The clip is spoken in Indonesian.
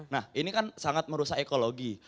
nah ini kan sangat merusak ekologi